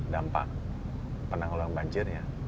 dan pak penanggulang banjirnya